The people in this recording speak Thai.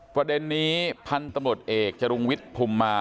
ประเด็นนี้พันธุ์ตำรวจเอกจรุงวิทย์ภูมิมา